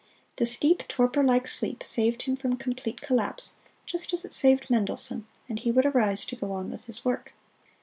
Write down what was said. This deep, torpor like sleep saved him from complete collapse, just as it saved Mendelssohn, and he would arise to go on with his work.